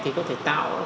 thì có thể tạo